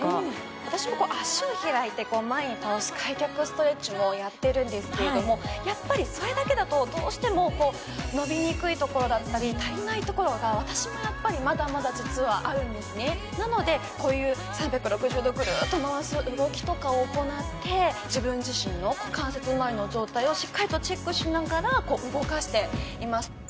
これいいかも私もんですけれどもやっぱりそれだけだとどうしても伸びにくい所だったり足りない所が私もやっぱりまだまだ実はあるんですねなのでこういう３６０度ぐるーっと回す動きとかを行って自分自身の股関節まわりの状態をしっかりとチェックしながらこう動かしています